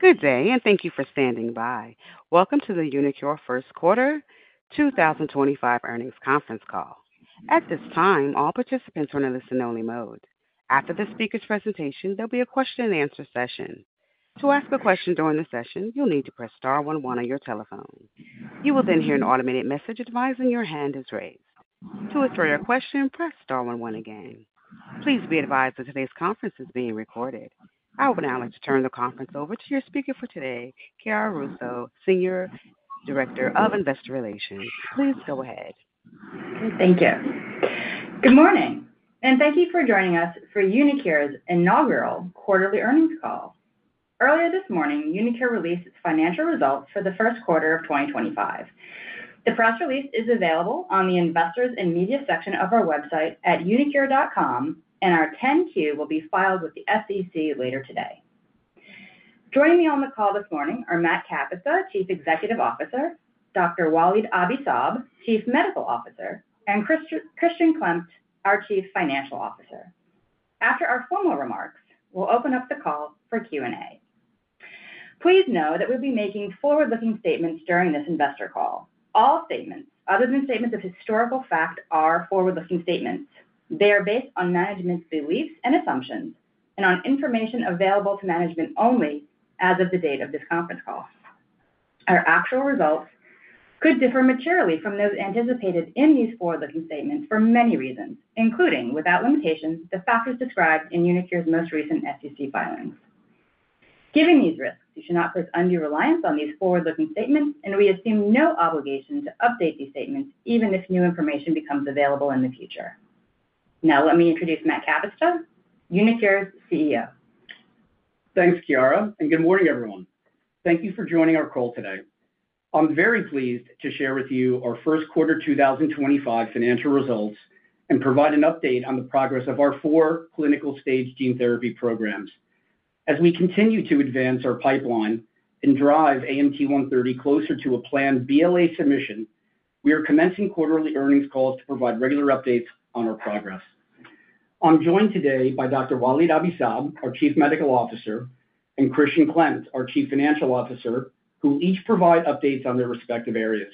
Good day, and thank you for standing by. Welcome to the uniQure First Quarter 2025 Earnings Conference Call. At this time, all participants are in a listen-only mode. After the speaker's presentation, there'll be a question-and-answer session. To ask a question during the session, you'll need to press star one one on your telephone. You will then hear an automated message advising your hand is raised. To ask for your question, press star one one again. Please be advised that today's conference is being recorded. I would now like to turn the conference over to your speaker for today, Chiara Russo, Senior Director of Investor Relations. Please go ahead. Thank you. Good morning, and thank you for joining us for uniQure's inaugural quarterly earnings call. Earlier this morning, uniQure released its financial results for the first quarter of 2025. The press release is available on the investors and media section of our website at uniqure.com, and our 10-Q will be filed with the SEC later today. Joining me on the call this morning are Matt Kapusta, Chief Executive Officer; Dr. Walid Abi-Saab, Chief Medical Officer; and Christian Klemt, our Chief Financial Officer. After our formal remarks, we'll open up the call for Q&A. Please know that we'll be making forward-looking statements during this investor call. All statements, other than statements of historical fact, are forward-looking statements. They are based on management's beliefs and assumptions and on information available to management only as of the date of this conference call. Our actual results could differ materially from those anticipated in these forward-looking statements for many reasons, including, without limitation, the factors described in uniQure's most recent SEC filings. Given these risks, you should not place undue reliance on these forward-looking statements, and we assume no obligation to update these statements even if new information becomes available in the future. Now, let me introduce Matt Kapusta, uniQure's CEO. Thanks, Chiara, and good morning, everyone. Thank you for joining our call today. I'm very pleased to share with you our first quarter 2025 financial results and provide an update on the progress of our four clinical stage gene therapy programs. As we continue to advance our pipeline and drive AMT-130 closer to a planned BLA submission, we are commencing quarterly earnings calls to provide regular updates on our progress. I'm joined today by Dr. Walid Abi-Saab, our Chief Medical Officer, and Christian Klemt, our Chief Financial Officer, who each provide updates on their respective areas.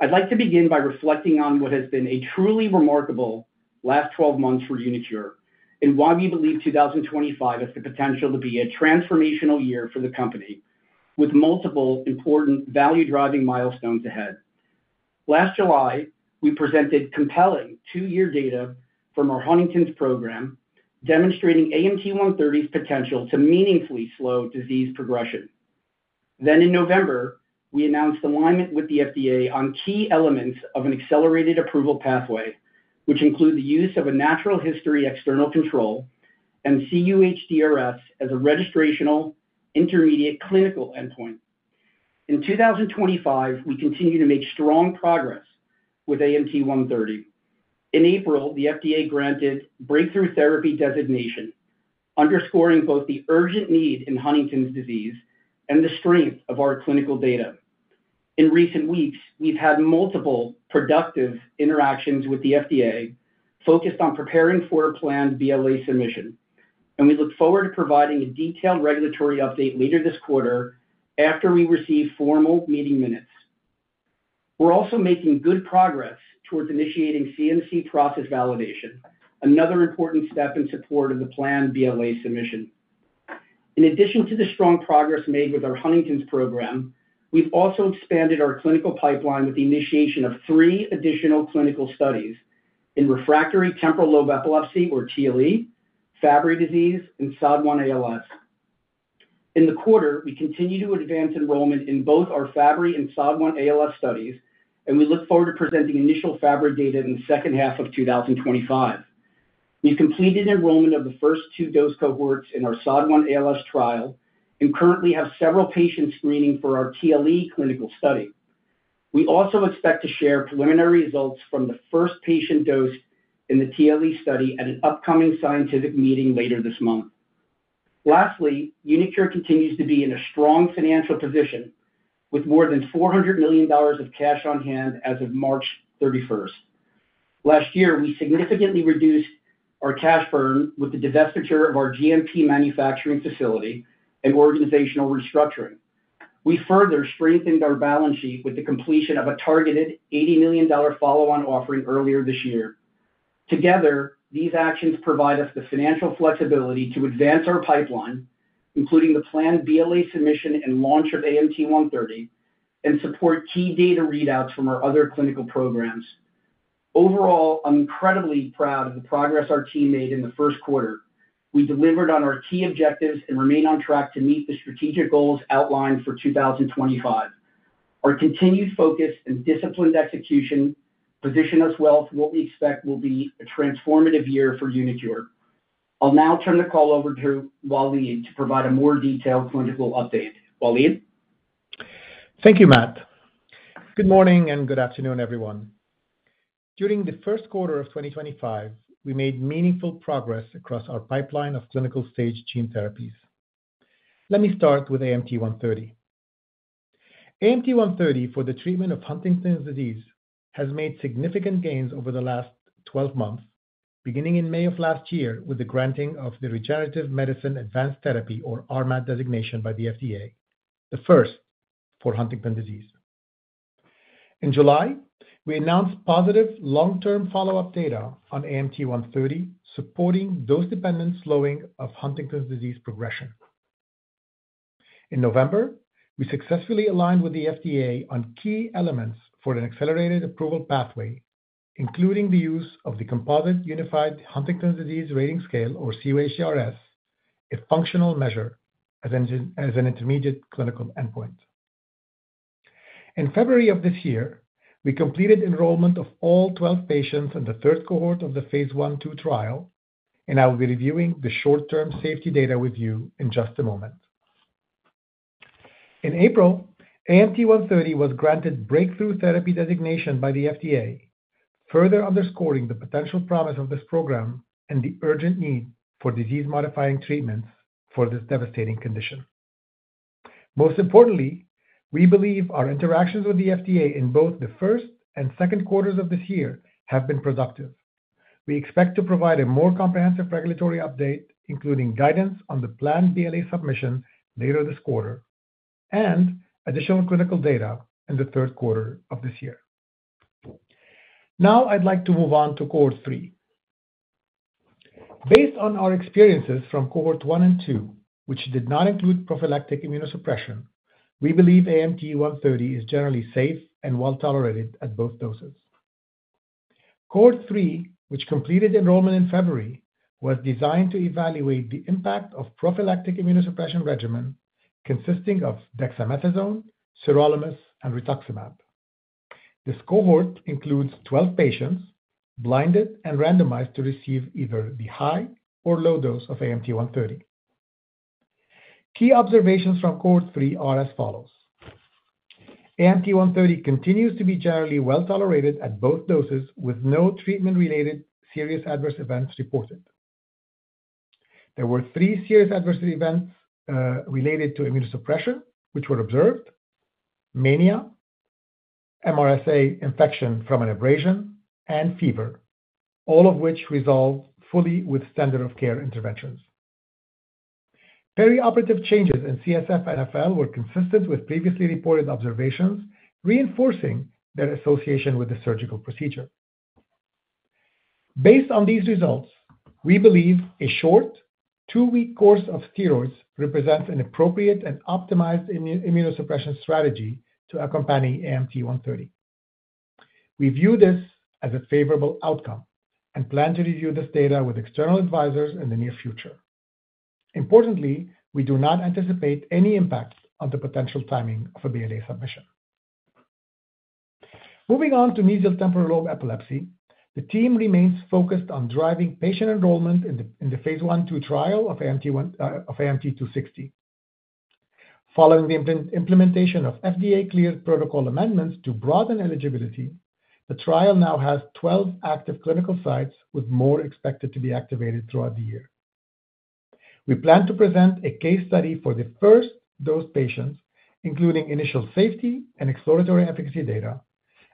I'd like to begin by reflecting on what has been a truly remarkable last 12 months for uniQure and why we believe 2025 has the potential to be a transformational year for the company, with multiple important value-driving milestones ahead. Last July, we presented compelling two-year data from our Huntington's program, demonstrating AMT-130's potential to meaningfully slow disease progression. In November, we announced alignment with the FDA on key elements of an accelerated approval pathway, which include the use of a natural history external control and cUHDRS as a registrational intermediate clinical endpoint. In 2025, we continue to make strong progress with AMT-130. In April, the FDA granted breakthrough therapy designation, underscoring both the urgent need in Huntington's disease and the strength of our clinical data. In recent weeks, we've had multiple productive interactions with the FDA focused on preparing for a planned BLA submission, and we look forward to providing a detailed regulatory update later this quarter after we receive formal meeting minutes. We're also making good progress towards initiating CMC process validation, another important step in support of the planned BLA submission. In addition to the strong progress made with our Huntington's program, we've also expanded our clinical pipeline with the initiation of three additional clinical studies in refractory temporal lobe epilepsy, or TLE, Fabry disease, and SOD1-ALS. In the quarter, we continue to advance enrollment in both our Fabry and SOD1-ALS studies, and we look forward to presenting initial Fabry data in the second half of 2025. We've completed enrollment of the first two dose cohorts in our SOD1-ALS trial and currently have several patients screening for our TLE clinical study. We also expect to share preliminary results from the first patient dose in the TLE study at an upcoming scientific meeting later this month. Lastly, uniQure continues to be in a strong financial position with more than $400 million of cash on hand as of March 31. Last year, we significantly reduced our cash burn with the divestiture of our GMP manufacturing facility and organizational restructuring. We further strengthened our balance sheet with the completion of a targeted $80 million follow-on offering earlier this year. Together, these actions provide us the financial flexibility to advance our pipeline, including the planned BLA submission and launch of AMT-130, and support key data readouts from our other clinical programs. Overall, I'm incredibly proud of the progress our team made in the first quarter. We delivered on our key objectives and remain on track to meet the strategic goals outlined for 2025. Our continued focus and disciplined execution position us well for what we expect will be a transformative year for uniQure. I'll now turn the call over to Walid to provide a more detailed clinical update. Walid? Thank you, Matt. Good morning and good afternoon, everyone. During the first quarter of 2025, we made meaningful progress across our pipeline of clinical stage gene therapies. Let me start with AMT-130. AMT-130 for the treatment of Huntington's disease has made significant gains over the last 12 months, beginning in May of last year with the granting of the Regenerative Medicine Advanced Therapy, or RMAT, designation by the FDA, the first for Huntington's disease. In July, we announced positive long-term follow-up data on AMT-130, supporting dose-dependent slowing of Huntington's disease progression. In November, we successfully aligned with the FDA on key elements for an accelerated approval pathway, including the use of the Composite Unified Huntington's Disease Rating Scale, or cUHDRS, a functional measure as an intermediate clinical endpoint. In February of this year, we completed enrollment of all 12 patients in the third cohort of the phase I-II trial, and I will be reviewing the short-term safety data with you in just a moment. In April, AMT-130 was granted Breakthrough Therapy Designation by the FDA, further underscoring the potential promise of this program and the urgent need for disease-modifying treatments for this devastating condition. Most importantly, we believe our interactions with the FDA in both the first and second quarters of this year have been productive. We expect to provide a more comprehensive regulatory update, including guidance on the planned BLA submission later this quarter and additional clinical data in the third quarter of this year. Now, I'd like to move on to cohort three. Based on our experiences from cohort one and two, which did not include prophylactic immunosuppression, we believe AMT-130 is generally safe and well tolerated at both doses. Cohort three, which completed enrollment in February, was designed to evaluate the impact of a prophylactic immunosuppression regimen consisting of dexamethasone, sirolimus, and rituximab. This cohort includes 12 patients, blinded and randomized to receive either the high or low dose of AMT-130. Key observations from cohort three are as follows. AMT-130 continues to be generally well tolerated at both doses, with no treatment-related serious adverse events reported. There were three serious adverse events related to immunosuppression, which were observed: mania, MRSA infection from an abrasion, and fever, all of which resolved fully with standard of care interventions. Perioperative changes in CSF and FL were consistent with previously reported observations, reinforcing their association with the surgical procedure. Based on these results, we believe a short two-week course of steroids represents an appropriate and optimized immunosuppression strategy to accompany AMT-130. We view this as a favorable outcome and plan to review this data with external advisors in the near future. Importantly, we do not anticipate any impacts on the potential timing of a BLA submission. Moving on to mesial temporal lobe epilepsy, the team remains focused on driving patient enrollment in the phase one-two trial of AMT-260. Following the implementation of FDA-cleared protocol amendments to broaden eligibility, the trial now has 12 active clinical sites, with more expected to be activated throughout the year. We plan to present a case study for the first dose patients, including initial safety and exploratory efficacy data,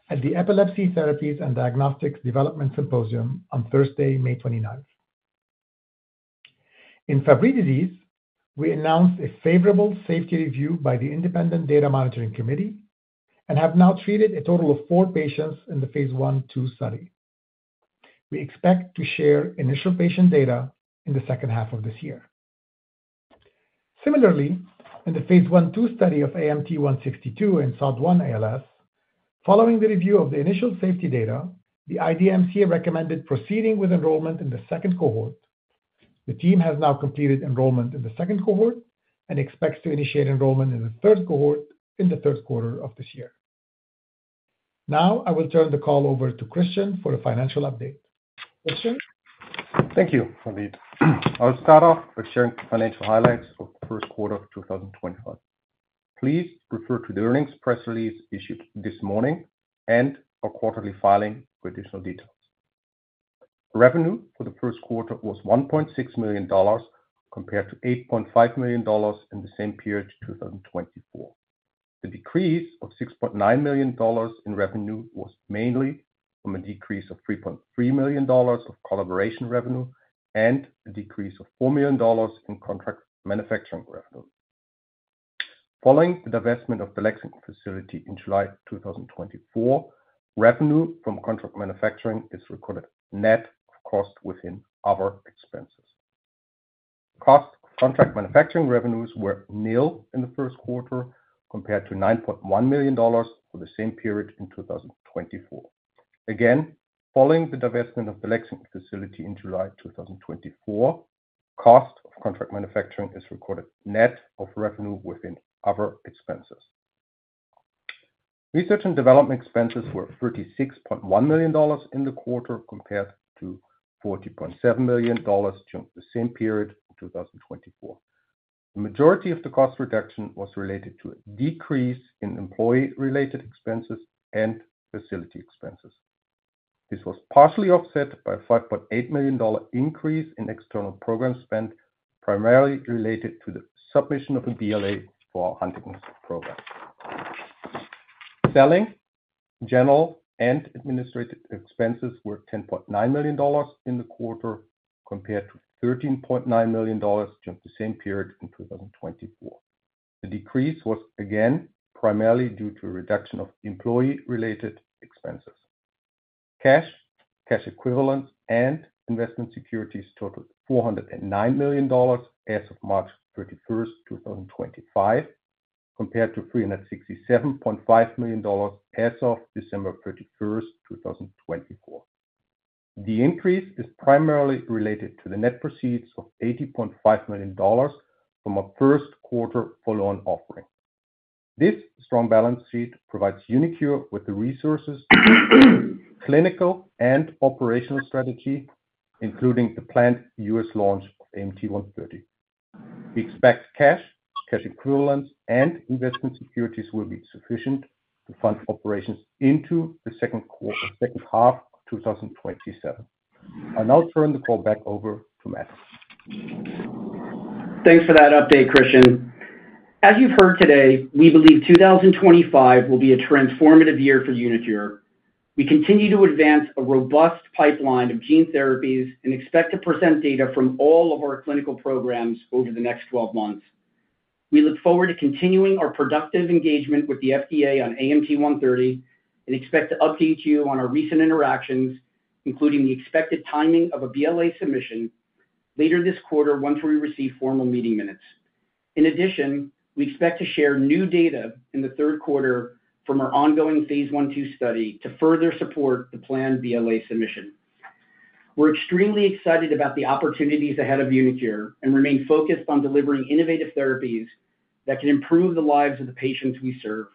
at the Epilepsy Therapies and Diagnostics Development Symposium on Thursday, May 29th. In Fabry disease, we announced a favorable safety review by the Independent Data Monitoring Committee and have now treated a total of four patients in the phase one-two study. We expect to share initial patient data in the second half of this year. Similarly, in the phase one-two study of AMT-162 and SOD1-ALS, following the review of the initial safety data, the IDMC recommended proceeding with enrollment in the second cohort. The team has now completed enrollment in the second cohort and expects to initiate enrollment in the third cohort in the third quarter of this year. Now, I will turn the call over to Christian for a financial update. Christian? Thank you, Walid. I'll start off by sharing the financial highlights of the first quarter of 2025. Please refer to the earnings press release issued this morning and our quarterly filing for additional details. Revenue for the first quarter was $1.6 million compared to $8.5 million in the same period of 2024. The decrease of $6.9 million in revenue was mainly from a decrease of $3.3 million of collaboration revenue and a decrease of $4 million in contract manufacturing revenue. Following the divestment of the Lexington facility in July 2024, revenue from contract manufacturing is recorded net of cost within other expenses. Cost of contract manufacturing revenues were nil in the first quarter compared to $9.1 million for the same period in 2024. Again, following the divestment of the Lexington facility in July 2024, cost of contract manufacturing is recorded net of revenue within other expenses. Research and development expenses were $36.1 million in the quarter compared to $40.7 million during the same period of 2024. The majority of the cost reduction was related to a decrease in employee-related expenses and facility expenses. This was partially offset by a $5.8 million increase in external program spend, primarily related to the submission of a BLA for our Huntington's program. Selling, general, and administrative expenses were $10.9 million in the quarter compared to $13.9 million during the same period in 2024. The decrease was again primarily due to a reduction of employee-related expenses. Cash, cash equivalents, and investment securities totaled $409 million as of March 31, 2025, compared to $367.5 million as of December 31, 2024. The increase is primarily related to the net proceeds of $80.5 million from our first quarter follow-on offering. This strong balance sheet provides uniQure with the resources to clinical and operational strategy, including the planned US launch of AMT-130. We expect cash, cash equivalents, and investment securities will be sufficient to fund operations into the second half of 2027. I'll now turn the call back over to Matt. Thanks for that update, Christian. As you've heard today, we believe 2025 will be a transformative year for uniQure. We continue to advance a robust pipeline of gene therapies and expect to present data from all of our clinical programs over the next 12 months. We look forward to continuing our productive engagement with the FDA on AMT-130 and expect to update you on our recent interactions, including the expected timing of a BLA submission later this quarter once we receive formal meeting minutes. In addition, we expect to share new data in the third quarter from our ongoing phase one-two study to further support the planned BLA submission. We're extremely excited about the opportunities ahead of uniQure and remain focused on delivering innovative therapies that can improve the lives of the patients we serve.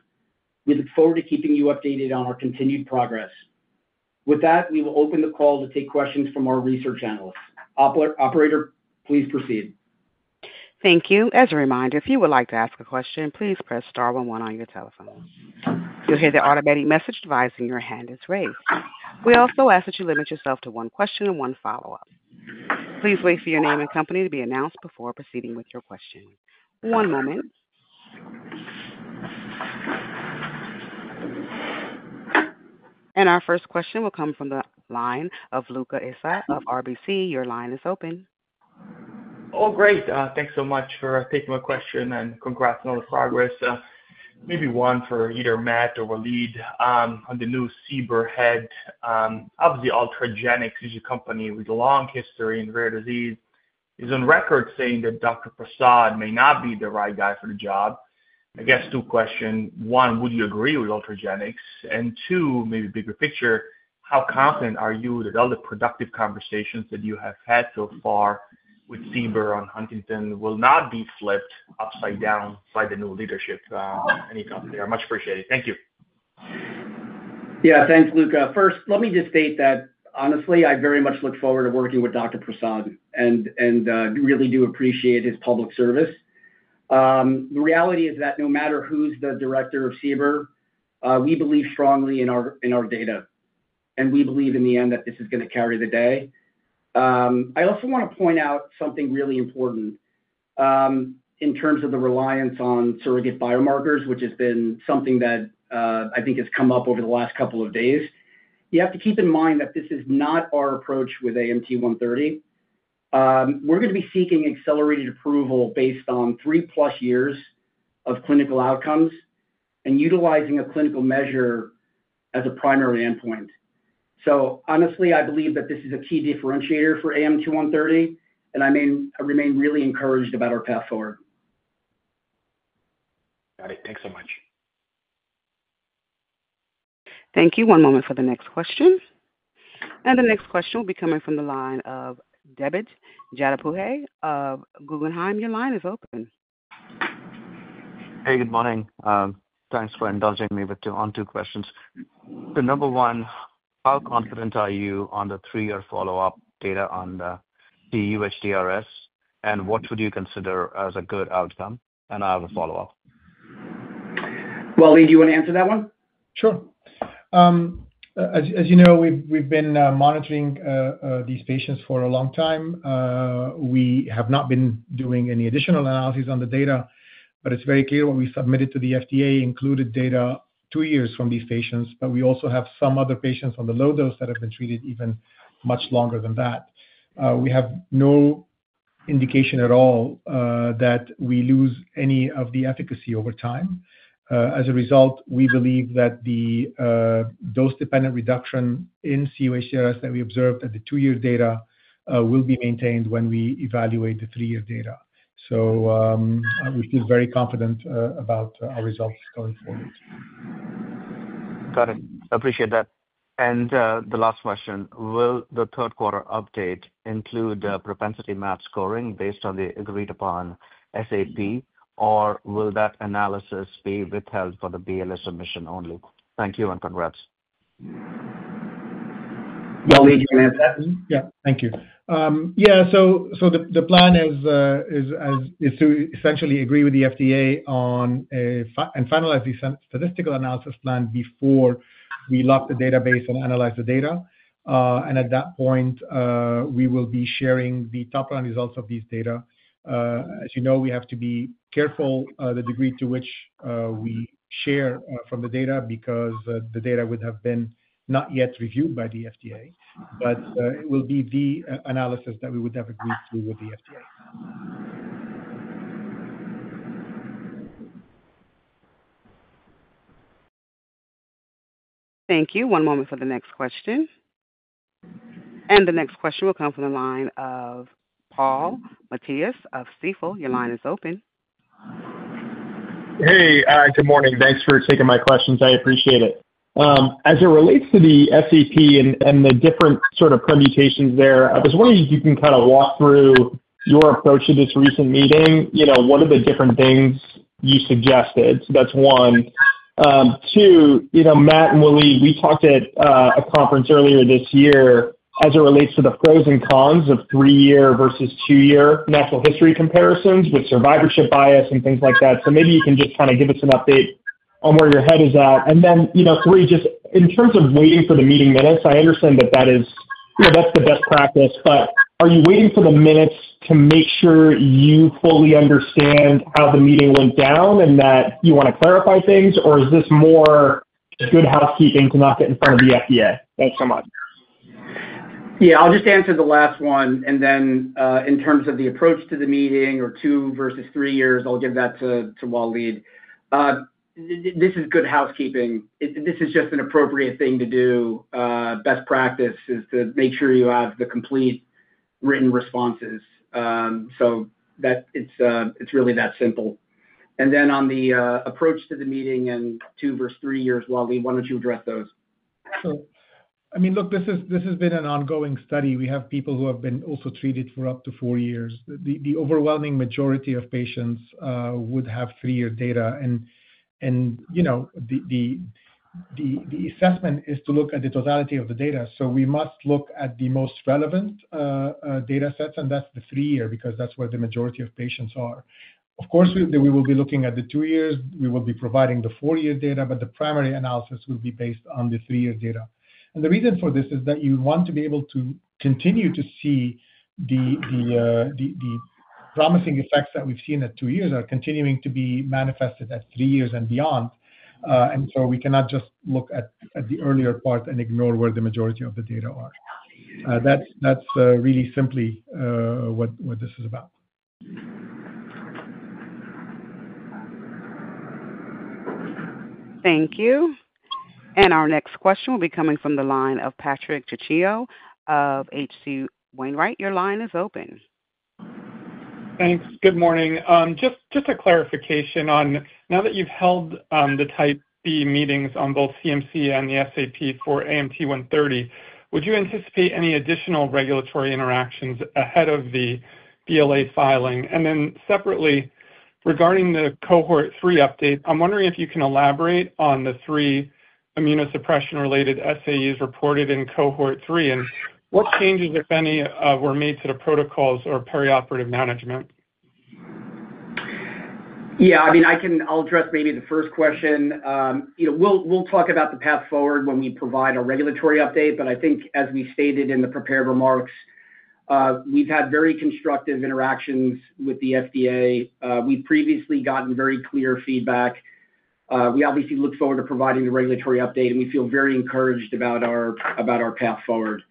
We look forward to keeping you updated on our continued progress. With that, we will open the call to take questions from our research analysts. Operator, please proceed. Thank you. As a reminder, if you would like to ask a question, please press star one one on your telephone. You'll hear the automated message device in your hand is raised. We also ask that you limit yourself to one question and one follow-up. Please wait for your name and company to be announced before proceeding with your question. One moment. Our first question will come from the line of Luca Issi of RBC. Your line is open. Oh, great. Thanks so much for taking my question and congrats on all the progress. Maybe one for either Matt or Walid on the new CBER head. Obviously, Ultragenyx is a company with a long history in rare disease. It's on record saying that Dr. Prasad may not be the right guy for the job. I guess two questions. One, would you agree with Ultragenyx? And two, maybe bigger picture, how confident are you that all the productive conversations that you have had so far with CBER on Huntington will not be flipped upside down by the new leadership? Any comment there? Much appreciated. Thank you. Yeah, thanks, Luca. First, let me just state that, honestly, I very much look forward to working with Dr. Prasad and really do appreciate his public service. The reality is that no matter who's the director of CBER, we believe strongly in our data, and we believe in the end that this is going to carry the day. I also want to point out something really important in terms of the reliance on surrogate biomarkers, which has been something that I think has come up over the last couple of days. You have to keep in mind that this is not our approach with AMT-130. We're going to be seeking accelerated approval based on three-plus years of clinical outcomes and utilizing a clinical measure as a primary endpoint. Honestly, I believe that this is a key differentiator for AMT-130, and I remain really encouraged about our path forward. Got it. Thanks so much. Thank you. One moment for the next question. The next question will be coming from the line of Debjit Chattopadhyay of Guggenheim. Your line is open. Hey, good morning. Thanks for indulging me with the one-two questions. Number one, how confident are you on the three-year follow-up data on the cUHDRS, and what would you consider as a good outcome? I have a follow-up. Walid, do you want to answer that one? Sure. As you know, we've been monitoring these patients for a long time. We have not been doing any additional analysis on the data, but it's very clear what we submitted to the FDA included data two years from these patients. We also have some other patients on the low dose that have been treated even much longer than that. We have no indication at all that we lose any of the efficacy over time. As a result, we believe that the dose-dependent reduction in cUHDRS that we observed at the two-year data will be maintained when we evaluate the three-year data. We feel very confident about our results going forward. Got it. Appreciate that. The last question, will the third quarter update include the propensity map scoring based on the agreed-upon SAP, or will that analysis be withheld for the BLA submission only? Thank you and congrats. Walid, do you want to answer that one? Yeah, thank you. Yeah, so the plan is to essentially agree with the FDA and finalize the statistical analysis plan before we lock the database and analyze the data. At that point, we will be sharing the top-line results of these data. As you know, we have to be careful the degree to which we share from the data because the data would have been not yet reviewed by the FDA, but it will be the analysis that we would have agreed through with the FDA. Thank you. One moment for the next question. The next question will come from the line of Paul Matteis of Stifel. Your line is open. Hey, good morning. Thanks for taking my questions. I appreciate it. As it relates to the SAP and the different sort of permutations there, I was wondering if you can kind of walk through your approach to this recent meeting, one of the different things you suggested. That is one. Two, Matt and Walid, we talked at a conference earlier this year as it relates to the pros and cons of three-year versus two-year natural history comparisons with survivorship bias and things like that. Maybe you can just kind of give us an update on where your head is at. Three, just in terms of waiting for the meeting minutes, I understand that that's the best practice, but are you waiting for the minutes to make sure you fully understand how the meeting went down and that you want to clarify things, or is this more good housekeeping to not get in front of the FDA? Thanks so much. Yeah, I'll just answer the last one. In terms of the approach to the meeting or two versus three years, I'll give that to Walid. This is good housekeeping. This is just an appropriate thing to do. Best practice is to make sure you have the complete written responses. It is really that simple. On the approach to the meeting and two versus three years, Walid, why don't you address those? Sure. I mean, look, this has been an ongoing study. We have people who have been also treated for up to four years. The overwhelming majority of patients would have three-year data. The assessment is to look at the totality of the data. We must look at the most relevant data sets, and that's the three-year because that's where the majority of patients are. Of course, we will be looking at the two years. We will be providing the four-year data, but the primary analysis will be based on the three-year data. The reason for this is that you want to be able to continue to see the promising effects that we've seen at two years are continuing to be manifested at three years and beyond. We cannot just look at the earlier part and ignore where the majority of the data are. That's really simply what this is about. Thank you. Our next question will be coming from the line of Patrick Trucchio of H.C. Wainwright. Your line is open. Thanks. Good morning. Just a clarification on now that you've held the type B meetings on both CMC and the SAP for AMT-130, would you anticipate any additional regulatory interactions ahead of the BLA filing? Then separately, regarding the cohort three update, I'm wondering if you can elaborate on the three immunosuppression-related SAEs reported in cohort three, and what changes, if any, were made to the protocols or perioperative management? Yeah, I mean, I'll address maybe the first question. We'll talk about the path forward when we provide a regulatory update, but I think as we stated in the prepared remarks, we've had very constructive interactions with the FDA. We've previously gotten very clear feedback. We obviously look forward to providing the regulatory update, and we feel very encouraged about our path forward.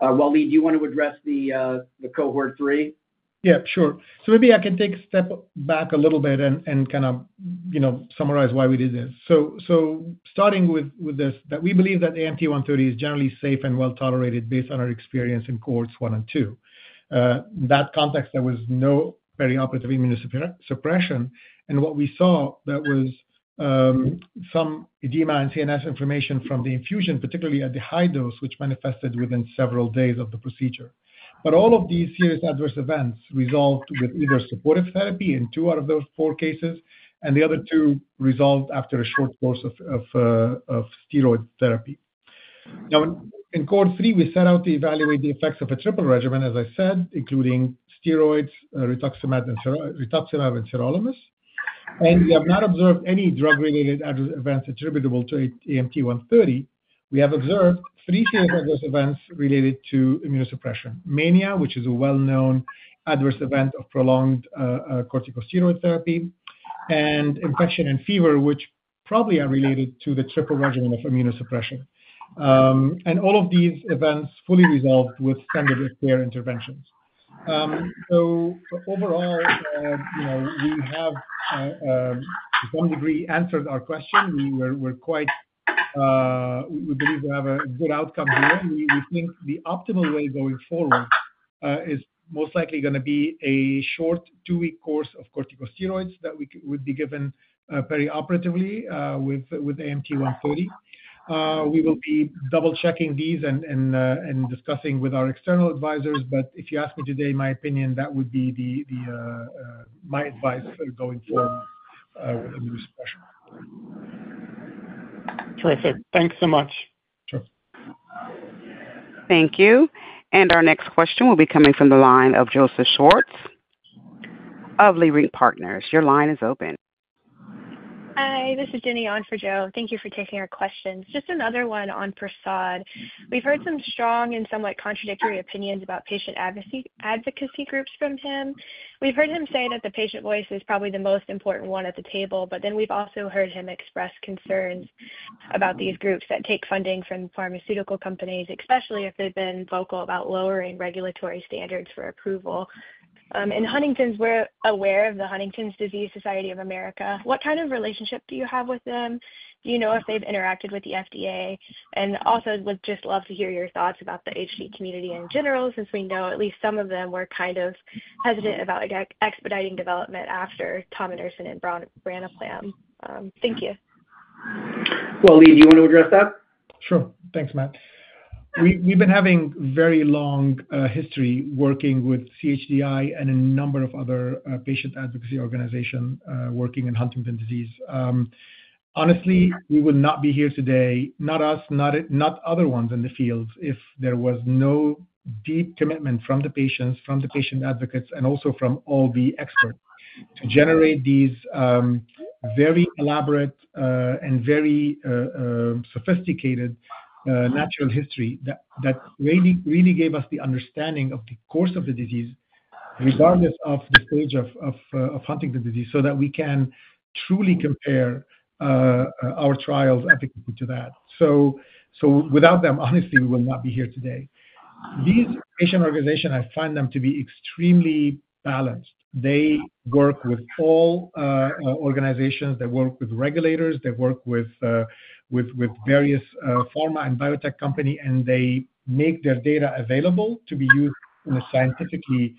Walid, do you want to address the cohort three? Yeah, sure. Maybe I can take a step back a little bit and kind of summarize why we did this. Starting with this, we believe that AMT-130 is generally safe and well tolerated based on our experience in cohorts one and two. In that context, there was no perioperative immunosuppression. What we saw, there was some edema and CNS inflammation from the infusion, particularly at the high dose, which manifested within several days of the procedure. All of these serious adverse events resolved with either supportive therapy in two out of those four cases, and the other two resolved after a short course of steroid therapy. In cohort three, we set out to evaluate the effects of a triple regimen, as I said, including steroids, rituximab, and serolimus. We have not observed any drug-related adverse events attributable to AMT-130. We have observed three serious adverse events related to immunosuppression: mania, which is a well-known adverse event of prolonged corticosteroid therapy, and infection and fever, which probably are related to the triple regimen of immunosuppression. All of these events fully resolved with standard of care interventions. Overall, we have to some degree answered our question. We believe we have a good outcome here. We think the optimal way going forward is most likely going to be a short two-week course of corticosteroids that would be given perioperatively with AMT-130. We will be double-checking these and discussing with our external advisors. If you ask me today, my opinion, that would be my advice going forward with immunosuppression. Terrific. Thanks so much. Sure. Thank you. Our next question will be coming from the line of Joseph Schwartz of Leerink Partners. Your line is open. Hi, this is Jenny Ounfridgo. Thank you for taking our questions. Just another one on Prasad. We've heard some strong and somewhat contradictory opinions about patient advocacy groups from him. We've heard him say that the patient voice is probably the most important one at the table, but then we've also heard him express concerns about these groups that take funding from pharmaceutical companies, especially if they've been vocal about lowering regulatory standards for approval. In Huntington's, we're aware of the Huntington's Disease Society of America. What kind of relationship do you have with them? Do you know if they've interacted with the FDA? We'd just love to hear your thoughts about the HD community in general since we know at least some of them were kind of hesitant about expediting development after Tom Anderson and BranaPlan. Thank you. Walid, do you want to address that? Sure. Thanks, Matt. We've been having a very long history working with CHDI and a number of other patient advocacy organizations working in Huntington's disease. Honestly, we would not be here today, not us, not other ones in the field, if there was no deep commitment from the patients, from the patient advocates, and also from all the experts to generate these very elaborate and very sophisticated natural histories that really gave us the understanding of the course of the disease regardless of the stage of Huntington's disease so that we can truly compare our trials effectively to that. Without them, honestly, we would not be here today. These patient organizations, I find them to be extremely balanced. They work with all organizations. They work with regulators. They work with various pharma and biotech companies, and they make their data available to be used in a scientifically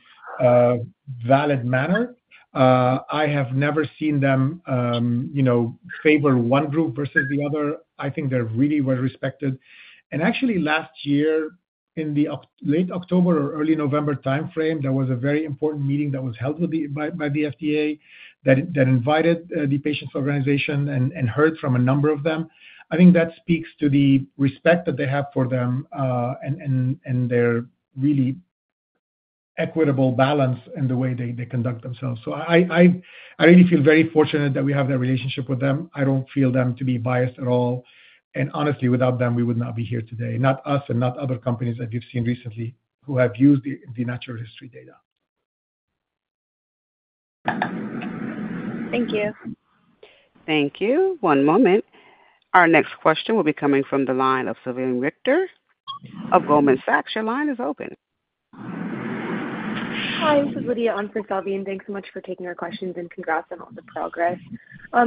valid manner. I have never seen them favor one group versus the other. I think they're really well respected. Actually, last year, in the late October or early November timeframe, there was a very important meeting that was held by the FDA that invited the patients' organization and heard from a number of them. I think that speaks to the respect that they have for them and their really equitable balance in the way they conduct themselves. I really feel very fortunate that we have that relationship with them. I don't feel them to be biased at all. Honestly, without them, we would not be here today. Not us and not other companies that we've seen recently who have used the natural history data. Thank you. Thank you. One moment. Our next question will be coming from the line of Salveen Richter of Goldman Sachs. Your line is open. Hi, this is Lydia on for Salveen and thanks so much for taking our questions and congrats on all the progress.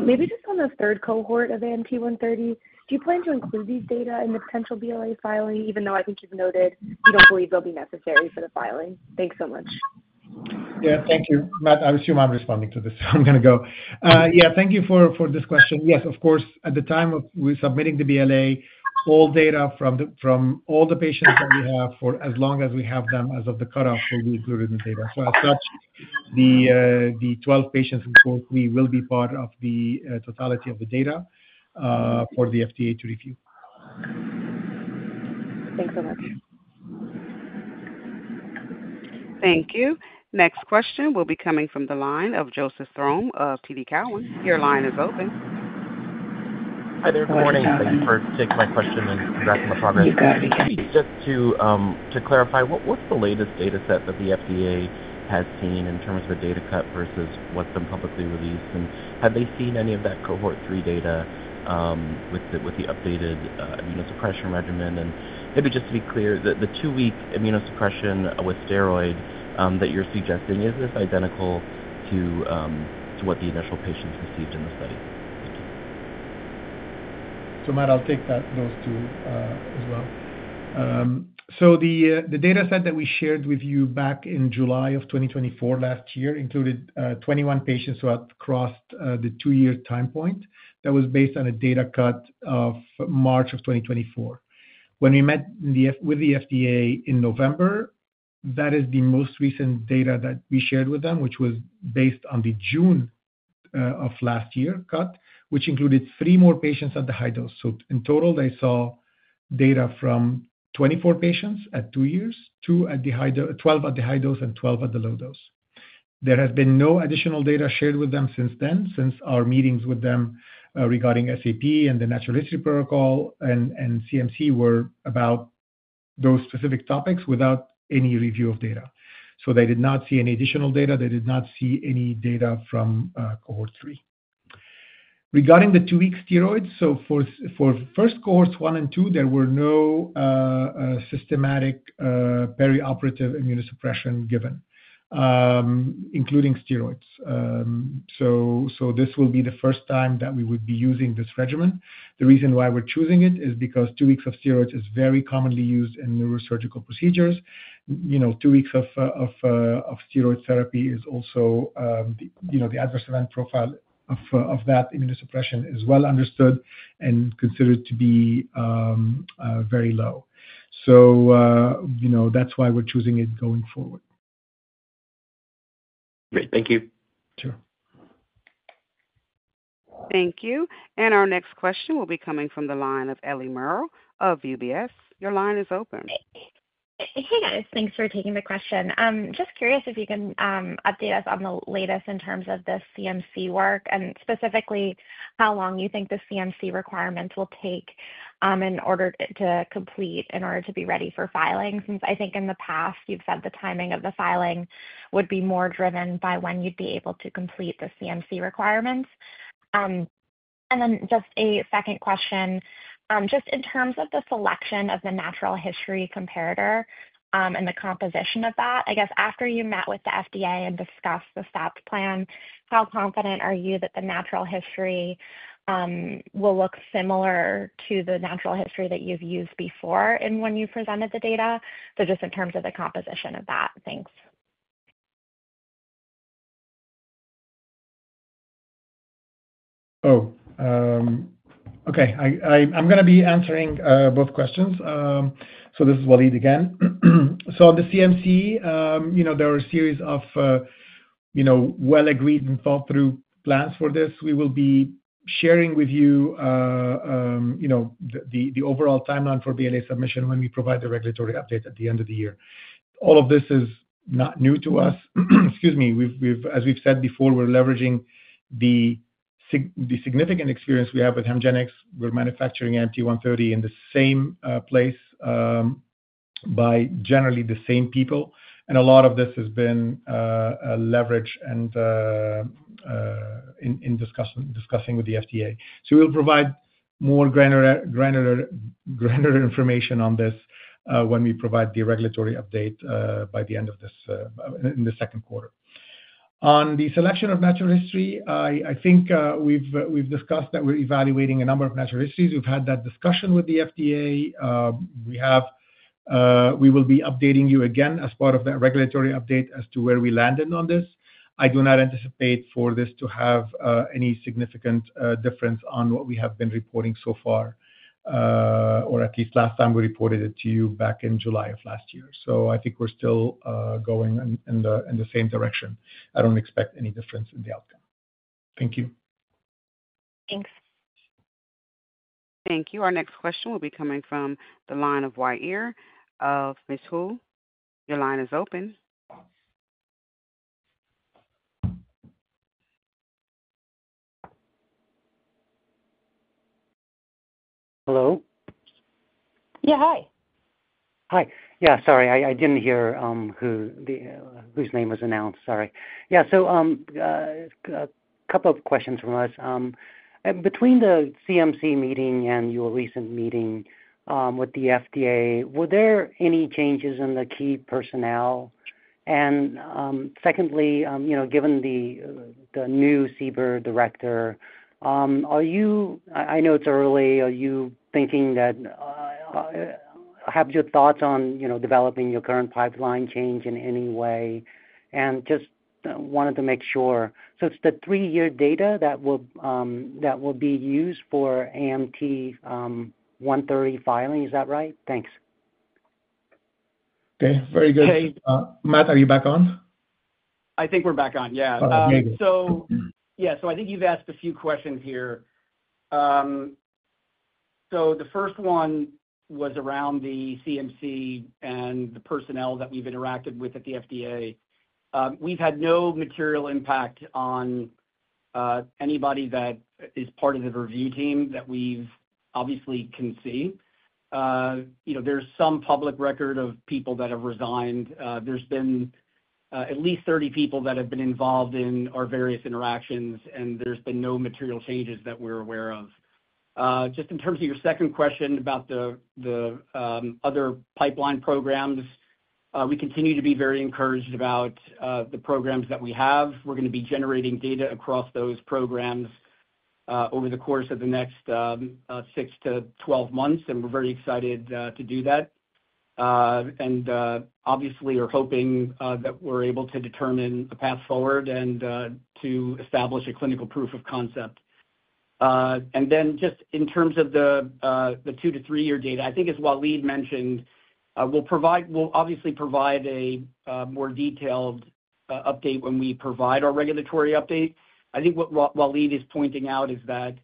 Maybe just on the third cohort of AMT-130, do you plan to include these data in the potential BLA filing, even though I think you've noted you don't believe they'll be necessary for the filing? Thanks so much. Yeah, thank you. Matt, I assume I'm responding to this, so I'm going to go. Yeah, thank you for this question. Yes, of course. At the time of submitting the BLA, all data from all the patients that we have for as long as we have them as of the cutoff will be included in the data. So as such, the 12 patients, of course, we will be part of the totality of the data for the FDA to review. Thanks so much. Thank you. Next question will be coming from the line of Joseph Thome of TD Cowen. Your line is open. Hi there. Good morning. Thank you for taking my question and congrats on the progress. You got it. Just to clarify, what's the latest data set that the FDA has seen in terms of a data cut versus what's been publicly released? Have they seen any of that cohort three data with the updated immunosuppression regimen? Maybe just to be clear, the two-week immunosuppression with steroid that you're suggesting, is this identical to what the initial patients received in the study? Thank you. Matt, I'll take those two as well. The data set that we shared with you back in July of 2024 last year included 21 patients who have crossed the two-year time point. That was based on a data cut of March of 2024. When we met with the FDA in November, that is the most recent data that we shared with them, which was based on the June of last year cut, which included three more patients at the high dose. In total, they saw data from 24 patients at two years, 12 at the high dose and 12 at the low dose. There has been no additional data shared with them since then, since our meetings with them regarding SAP and the natural history protocol and CMC were about those specific topics without any review of data. They did not see any additional data. They did not see any data from cohort three. Regarding the two-week steroids, for first cohorts one and two, there were no systematic perioperative immunosuppression given, including steroids. This will be the first time that we would be using this regimen. The reason why we're choosing it is because two weeks of steroids is very commonly used in neurosurgical procedures. Two weeks of steroid therapy is also, the adverse event profile of that immunosuppression is well understood and considered to be very low. That's why we're choosing it going forward. Great. Thank you. Sure. Thank you. Our next question will be coming from the line of Ellie Merle of UBS. Your line is open. Hey, guys. Thanks for taking the question. Just curious if you can update us on the latest in terms of the CMC work and specifically how long you think the CMC requirements will take in order to complete in order to be ready for filing, since I think in the past you've said the timing of the filing would be more driven by when you'd be able to complete the CMC requirements. Just a second question. Just in terms of the selection of the natural history comparator and the composition of that, I guess after you met with the FDA and discussed the SAP plan, how confident are you that the natural history will look similar to the natural history that you've used before and when you presented the data? Just in terms of the composition of that, thanks. Oh, okay. I'm going to be answering both questions. So this is Walid again. On the CMC, there are a series of well-agreed and thought-through plans for this. We will be sharing with you the overall timeline for BLA submission when we provide the regulatory update at the end of the year. All of this is not new to us. Excuse me. As we've said before, we're leveraging the significant experience we have with Hemgenix. We're manufacturing AMT-130 in the same place by generally the same people. A lot of this has been leveraged in discussing with the FDA. We will provide more granular information on this when we provide the regulatory update by the end of this in the second quarter. On the selection of natural history, I think we've discussed that we're evaluating a number of natural histories. We've had that discussion with the FDA. We will be updating you again as part of that regulatory update as to where we landed on this. I do not anticipate for this to have any significant difference on what we have been reporting so far, or at least last time we reported it to you back in July of last year. I think we're still going in the same direction. I don't expect any difference in the outcome. Thank you. Thanks. Thank you. Our next question will be coming from the line of Uy Ear of Mizuho. Your line is open. Hello? Yeah, hi. Hi. Yeah, sorry. I didn't hear whose name was announced. Sorry. Yeah, so a couple of questions from us. Between the CMC meeting and your recent meeting with the FDA, were there any changes in the key personnel? Secondly, given the new CBER director, I know it's early. Are you thinking that, have your thoughts on developing your current pipeline changed in any way? I just wanted to make sure. It's the three-year data that will be used for AMT-130 filing. Is that right? Thanks. Okay. Very good. Matt, are you back on? I think we're back on. Yeah. Oh, okay. Good. Yeah, I think you've asked a few questions here. The first one was around the CMC and the personnel that we've interacted with at the FDA. We've had no material impact on anybody that is part of the review team that we obviously can see. There's some public record of people that have resigned. There's been at least 30 people that have been involved in our various interactions, and there's been no material changes that we're aware of. Just in terms of your second question about the other pipeline programs, we continue to be very encouraged about the programs that we have. We're going to be generating data across those programs over the course of the next 6-12 months, and we're very excited to do that. Obviously, we're hoping that we're able to determine a path forward and to establish a clinical proof of concept. Just in terms of the two to three-year data, I think as Walid mentioned, we'll obviously provide a more detailed update when we provide our regulatory update. I think what Walid is pointing out is that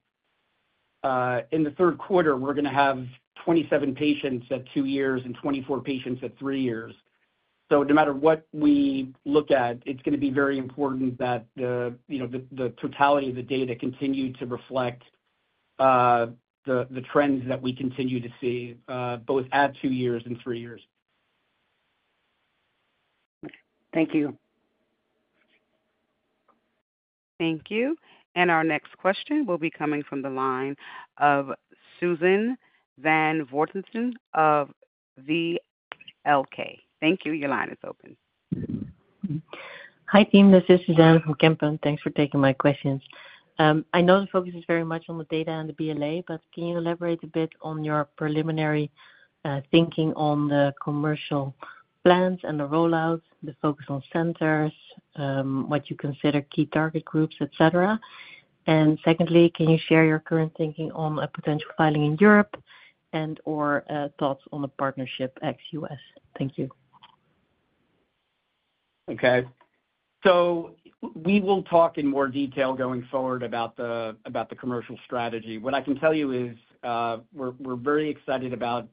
in the third quarter, we're going to have 27 patients at two years and 24 patients at three years. No matter what we look at, it's going to be very important that the totality of the data continue to reflect the trends that we continue to see both at two years and three years. Thank you. Thank you. Our next question will be coming from the line of Suzanne van Voorthuizen of VLK. Thank you. Your line is open. Hi team. This is Suzanne from Kempton. Thanks for taking my questions. I know the focus is very much on the data and the BLA, but can you elaborate a bit on your preliminary thinking on the commercial plans and the rollout, the focus on centers, what you consider key target groups, etc.? Secondly, can you share your current thinking on a potential filing in Europe and/or thoughts on a partnership ex-US? Thank you. Okay. We will talk in more detail going forward about the commercial strategy. What I can tell you is we're very excited about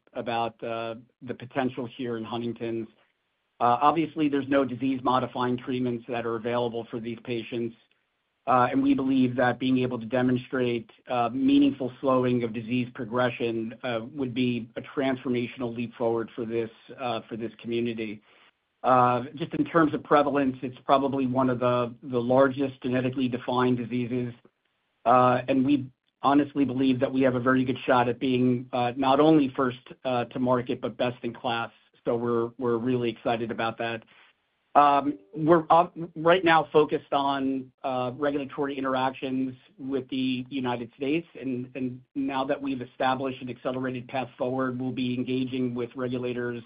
the potential here in Huntington's. Obviously, there's no disease-modifying treatments that are available for these patients. We believe that being able to demonstrate meaningful slowing of disease progression would be a transformational leap forward for this community. Just in terms of prevalence, it's probably one of the largest genetically defined diseases. We honestly believe that we have a very good shot at being not only first to market, but best in class. We're really excited about that. We're right now focused on regulatory interactions with the United States. Now that we've established an accelerated path forward, we'll be engaging with regulators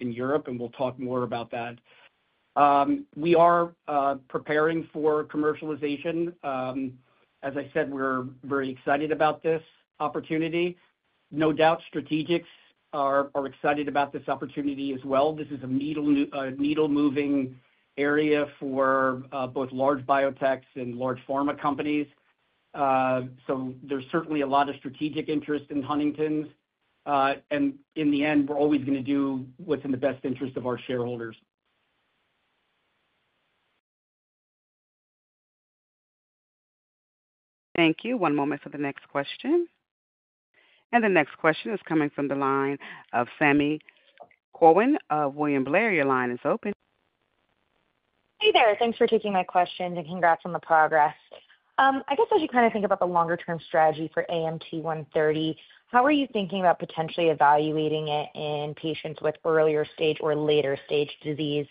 in Europe, and we'll talk more about that. We are preparing for commercialization. As I said, we're very excited about this opportunity. No doubt strategics are excited about this opportunity as well. This is a needle-moving area for both large biotechs and large pharma companies. There is certainly a lot of strategic interest in Huntington's. In the end, we're always going to do what's in the best interest of our shareholders. Thank you. One moment for the next question. The next question is coming from the line of Sami Corwin of William Blair. Your line is open. Hey there. Thanks for taking my questions and congrats on the progress. I guess as you kind of think about the longer-term strategy for AMT-130, how are you thinking about potentially evaluating it in patients with earlier stage or later stage disease?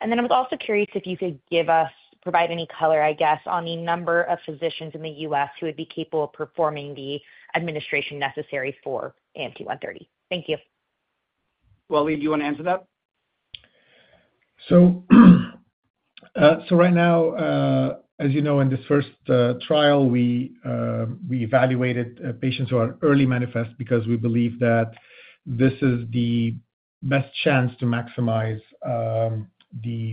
I was also curious if you could provide any color, I guess, on the number of physicians in the U.S. who would be capable of performing the administration necessary for AMT-130. Thank you. Walid, you want to answer that? Right now, as you know, in this first trial, we evaluated patients who are early manifest because we believe that this is the best chance to maximize the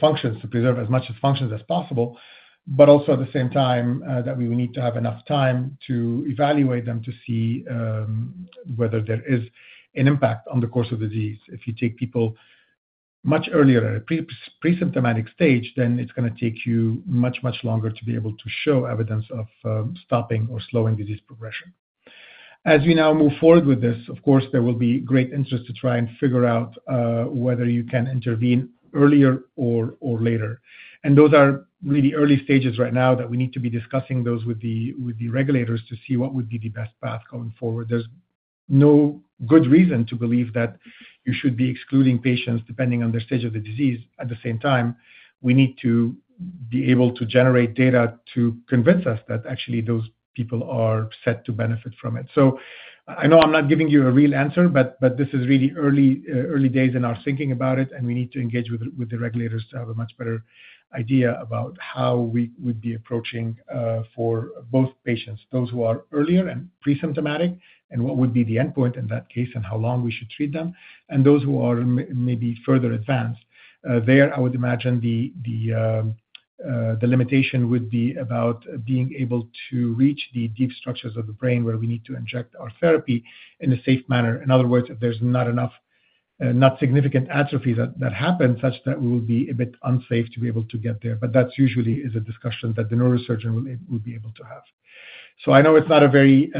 functions, to preserve as much of functions as possible, but also at the same time that we would need to have enough time to evaluate them to see whether there is an impact on the course of disease. If you take people much earlier, at a pre-symptomatic stage, then it's going to take you much, much longer to be able to show evidence of stopping or slowing disease progression. As we now move forward with this, of course, there will be great interest to try and figure out whether you can intervene earlier or later. Those are really early stages right now that we need to be discussing those with the regulators to see what would be the best path going forward. There is no good reason to believe that you should be excluding patients depending on their stage of the disease. At the same time, we need to be able to generate data to convince us that actually those people are set to benefit from it. I know I am not giving you a real answer, but this is really early days in our thinking about it, and we need to engage with the regulators to have a much better idea about how we would be approaching for both patients, those who are earlier and pre-symptomatic, and what would be the endpoint in that case and how long we should treat them, and those who are maybe further advanced. There, I would imagine the limitation would be about being able to reach the deep structures of the brain where we need to inject our therapy in a safe manner. In other words, if there's not enough, not significant atrophy that happens such that we will be a bit unsafe to be able to get there. That usually is a discussion that the neurosurgeon will be able to have. I know it's not a very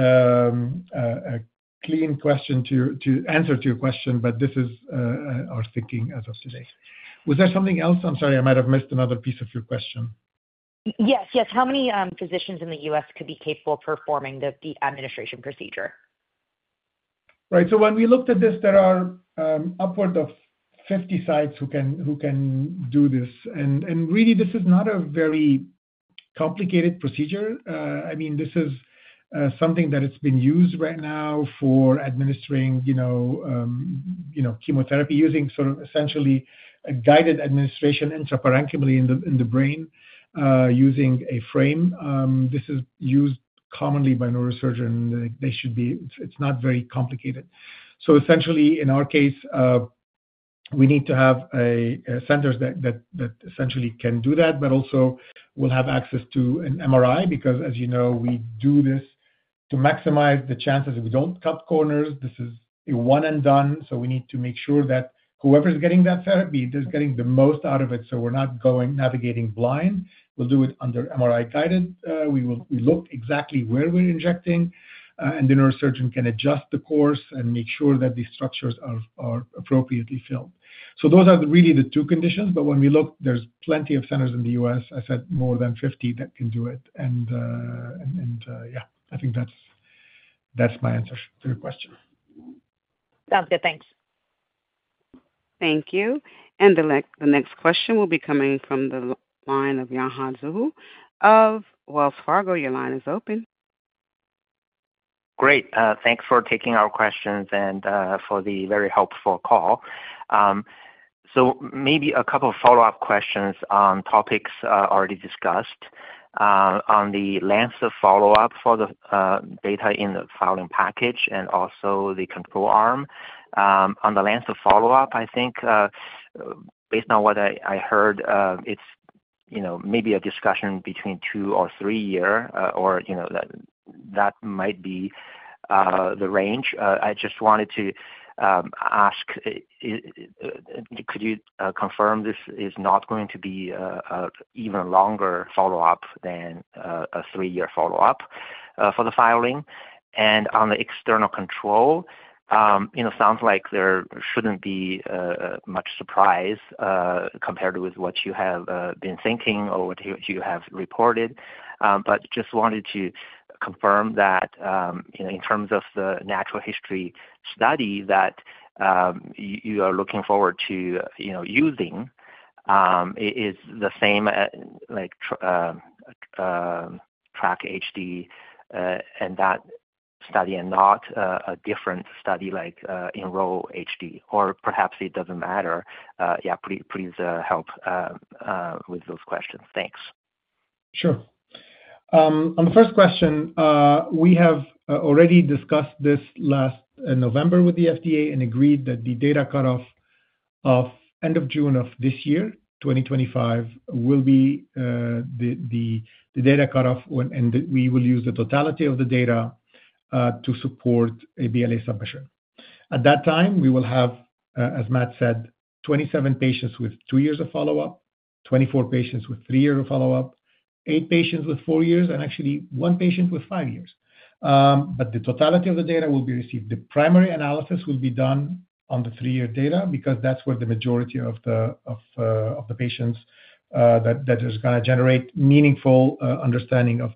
clean question to answer to your question, but this is our thinking as of today. Was there something else? I'm sorry. I might have missed another piece of your question. Yes. Yes. How many physicians in the U.S. could be capable of performing the administration procedure? Right. So when we looked at this, there are upward of 50 sites who can do this. And really, this is not a very complicated procedure. I mean, this is something that has been used right now for administering chemotherapy using sort of essentially a guided administration intraparenchymally in the brain using a frame. This is used commonly by neurosurgeons. It's not very complicated. So essentially, in our case, we need to have centers that essentially can do that, but also we'll have access to an MRI because, as you know, we do this to maximize the chances that we don't cut corners. This is a one-and-done. So we need to make sure that whoever is getting that therapy, they're getting the most out of it so we're not navigating blind. We'll do it under MRI guided. We look exactly where we're injecting, and the neurosurgeon can adjust the course and make sure that the structures are appropriately filled. Those are really the two conditions. When we look, there's plenty of centers in the U.S. I said more than 50 that can do it. Yeah, I think that's my answer to your question. Sounds good. Thanks. Thank you. The next question will be coming from the line of Yanan Zhu of Wells Fargo. Your line is open. Great. Thanks for taking our questions and for the very helpful call. Maybe a couple of follow-up questions on topics already discussed on the length of follow-up for the data in the filing package and also the control arm. On the length of follow-up, I think based on what I heard, it's maybe a discussion between two or three years, or that might be the range. I just wanted to ask, could you confirm this is not going to be an even longer follow-up than a three-year follow-up for the filing? On the external control, it sounds like there shouldn't be much surprise compared with what you have been thinking or what you have reported. Just wanted to confirm that in terms of the natural history study that you are looking forward to using, is it the same like TRACK-HD and that study and not a different study like Enroll-HD? Or perhaps it doesn't matter. Yeah, please help with those questions. Thanks. Sure. On the first question, we have already discussed this last November with the FDA and agreed that the data cutoff of end of June of this year, 2025, will be the data cutoff, and we will use the totality of the data to support a BLA submission. At that time, we will have, as Matt said, 27 patients with two years of follow-up, 24 patients with three years of follow-up, eight patients with four years, and actually one patient with five years. The totality of the data will be received. The primary analysis will be done on the three-year data because that's where the majority of the patients that are going to generate meaningful understanding of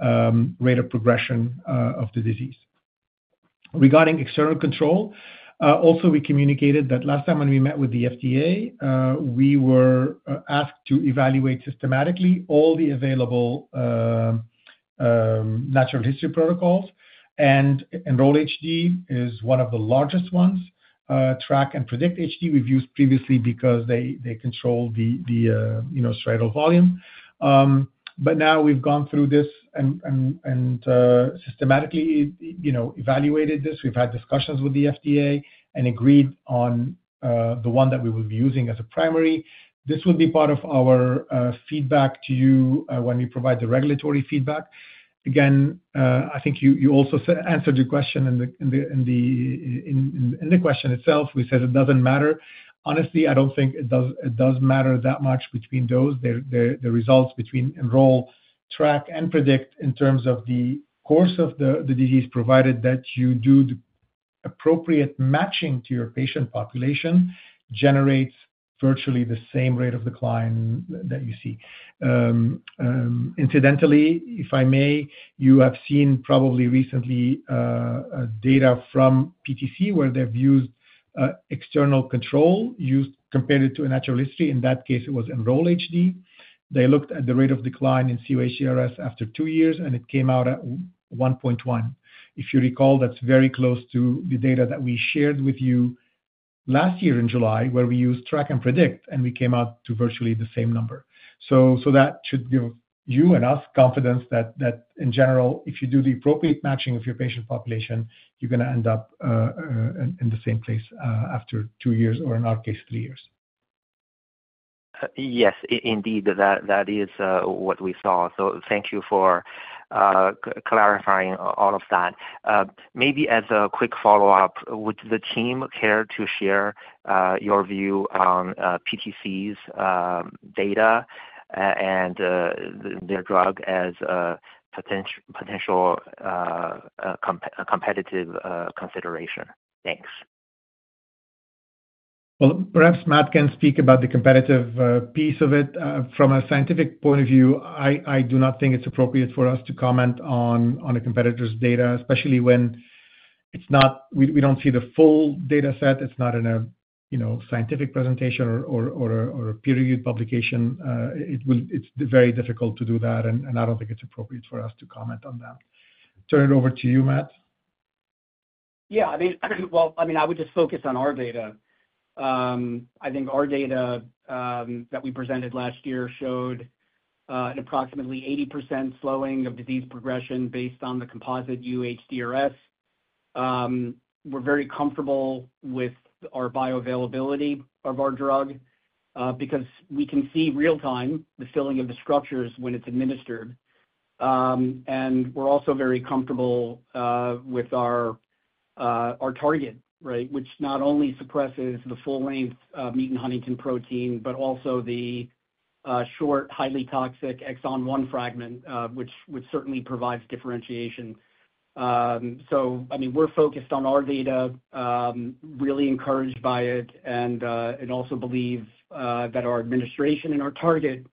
the rate of progression of the disease. Regarding external control, also we communicated that last time when we met with the FDA, we were asked to evaluate systematically all the available natural history protocols. And Enroll-HD is one of the largest ones. TRACK-HD and PREDICT-HD we've used previously because they control the striatal volume. But now we've gone through this and systematically evaluated this. We've had discussions with the FDA and agreed on the one that we will be using as a primary. This will be part of our feedback to you when we provide the regulatory feedback. Again, I think you also answered your question in the question itself. We said it doesn't matter. Honestly, I don't think it does matter that much between those. The results between Enroll-HD, TRACK-HD, and PREDICT-HD in terms of the course of the disease, provided that you do the appropriate matching to your patient population, generates virtually the same rate of decline that you see. Incidentally, if I may, you have seen probably recently data from PTC where they've used external control compared to a natural history. In that case, it was Enroll-HD. They looked at the rate of decline in cUHDRS after two years, and it came out at 1.1. If you recall, that's very close to the data that we shared with you last year in July where we used TRACK-HD and PREDICT-HD, and we came out to virtually the same number. That should give you and us confidence that in general, if you do the appropriate matching of your patient population, you're going to end up in the same place after two years or in our case, three years. Yes, indeed. That is what we saw. Thank you for clarifying all of that. Maybe as a quick follow-up, would the team care to share your view on PTC's data and their drug as a potential competitive consideration? Thanks. Perhaps Matt can speak about the competitive piece of it. From a scientific point of view, I do not think it's appropriate for us to comment on a competitor's data, especially when we do not see the full data set. It is not in a scientific presentation or a peer-reviewed publication. It is very difficult to do that, and I do not think it's appropriate for us to comment on that. Turn it over to you, Matt. Yeah. I mean, I would just focus on our data. I think our data that we presented last year showed an approximately 80% slowing of disease progression based on the composite cUHDRS. We're very comfortable with our bioavailability of our drug because we can see real-time the filling of the structures when it's administered. And we're also very comfortable with our target, right, which not only suppresses the full-length mutant huntingtin protein, but also the short, highly toxic exon-1 fragment, which certainly provides differentiation. I mean, we're focused on our data, really encouraged by it, and also believe that our administration and our target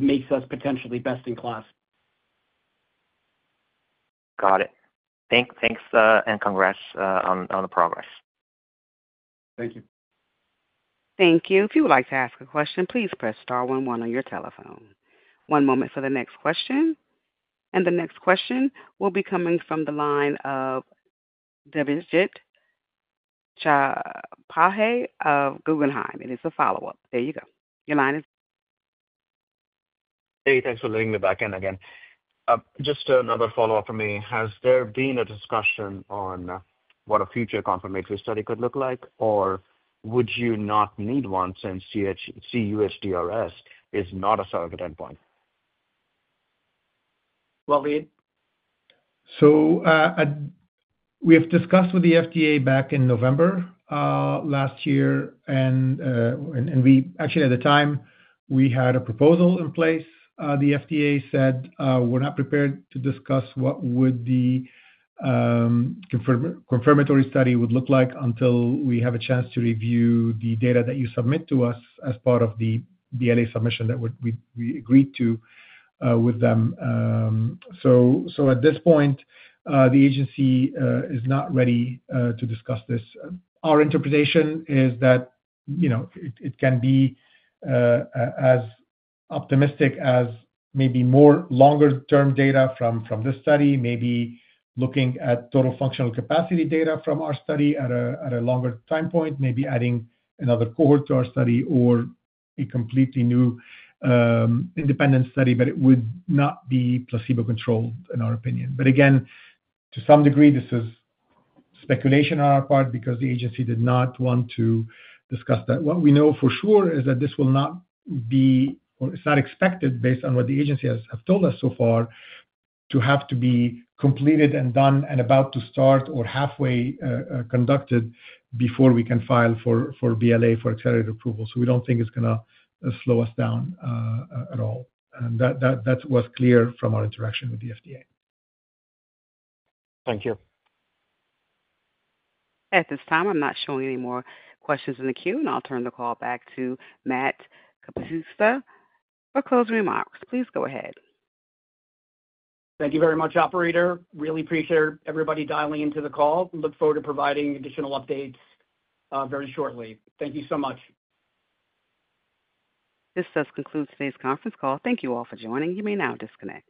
makes us potentially best in class. Got it. Thanks. And congrats on the progress. Thank you. Thank you. If you would like to ask a question, please press star one one on your telephone. One moment for the next question. The next question will be coming from the line of Debjit Chattopadhyay of Guggenheim. It is a follow-up. There you go. Your line is. Hey, thanks for letting me back in again. Just another follow-up for me. Has there been a discussion on what a future confirmatory study could look like, or would you not need one since cUHDRS is not a surrogate endpoint? Walid. We have discussed with the FDA back in November last year. Actually, at the time, we had a proposal in place. The FDA said, "We're not prepared to discuss what the confirmatory study would look like until we have a chance to review the data that you submit to us as part of the BLA submission that we agreed to with them." At this point, the agency is not ready to discuss this. Our interpretation is that it can be as optimistic as maybe more longer-term data from this study, maybe looking at total functional capacity data from our study at a longer time point, maybe adding another cohort to our study, or a completely new independent study, but it would not be placebo-controlled in our opinion. Again, to some degree, this is speculation on our part because the agency did not want to discuss that. What we know for sure is that this will not be or it's not expected based on what the agency has told us so far to have to be completed and done and about to start or halfway conducted before we can file for BLA for accelerated approval. We don't think it's going to slow us down at all. That was clear from our interaction with the FDA. Thank you. At this time, I'm not showing any more questions in the queue, and I'll turn the call back to Matt Kapusta for closing remarks. Please go ahead. Thank you very much, operator. Really appreciate everybody dialing into the call. Look forward to providing additional updates very shortly. Thank you so much. This does conclude today's conference call. Thank you all for joining. You may now disconnect.